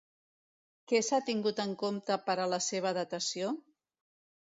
Què s'ha tingut en compte per a la seva datació?